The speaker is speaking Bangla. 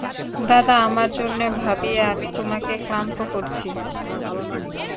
দাদা, আমার জন্যে ভাবিয়ে আমি তোমাকে ক্লান্ত করছি।